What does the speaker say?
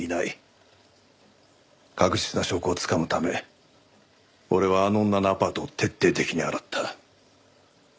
確実な証拠をつかむため俺はあの女のアパートを徹底的に洗った。